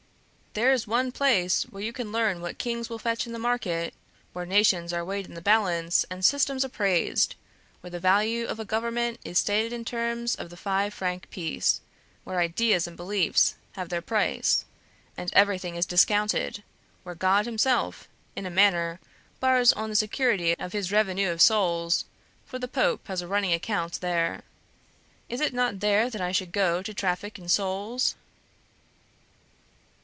"There is one place where you can learn what kings will fetch in the market; where nations are weighed in the balance and systems appraised; where the value of a government is stated in terms of the five franc piece; where ideas and beliefs have their price, and everything is discounted; where God Himself, in a manner, borrows on the security of His revenue of souls, for the Pope has a running account there. Is it not there that I should go to traffic in souls?"